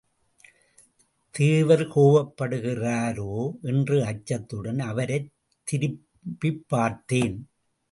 தேவர் கோபப்படுகிறாரோ என்று அச்சத்துடன் அவரைத் திரும்பிப் பார்த்தேன்.